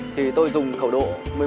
thì tôi dùng khẩu độ một mươi một